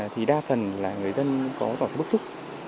thì đa phần là người dân có bức xúc